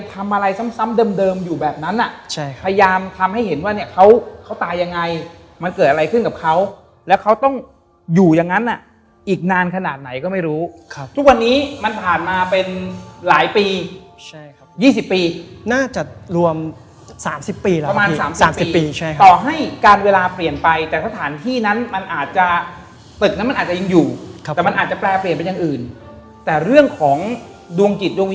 ผมขอเลขแล้วกันงวดนี้มันใกล้แล้ว